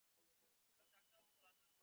রক্তাক্ত এবং পলাতক।